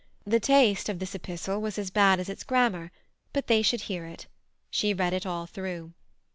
The taste of this epistle was as bad as its grammar, but they should hear it; she read it all through.